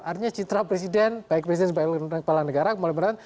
artinya citra presiden baik presiden sebagai kepala negara